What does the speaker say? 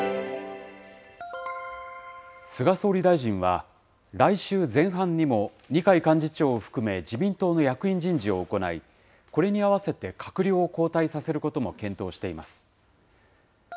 菅総理大臣は、来週前半にも二階幹事長を含め、自民党の役員人事を行い、これに合わせて閣僚を交代させることも検討しています。